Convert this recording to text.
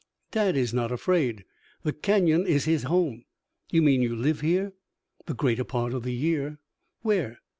"Dad is not afraid. The Canyon is his home " "You mean you live here?" "The greater part of the year." "Where?"